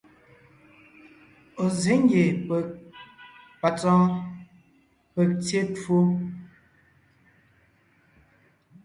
Ɔ̀ zsě ngie peg ,patsɔ́ɔn, peg tyé twó.